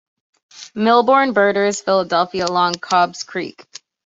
Millbourne borders Philadelphia along Cobbs Creek.